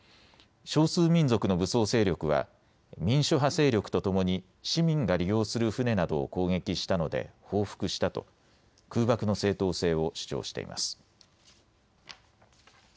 少数民族の武装勢力は民主派勢力とともに市民が利用する船などを攻撃したので報復したと空爆の正当性を主張しています。